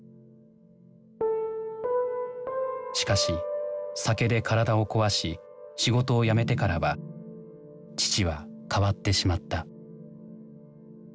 しかし酒で体をこわし仕事を辞めてからは父は変わってしまった。